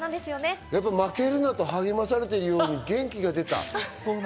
「負けるな」と励まされているように元気が出た。